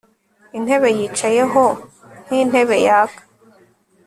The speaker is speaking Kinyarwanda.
Intebe yicayeho nkintebe yaka